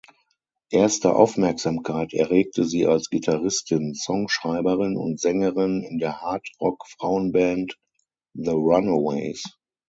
Erste Aufmerksamkeit erregte sie als Gitarristin, Songschreiberin und Sängerin in der Hard-Rock-Frauen-Band The Runaways.